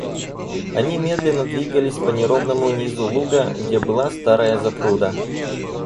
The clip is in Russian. Они медленно двигались по неровному низу луга, где была старая запруда.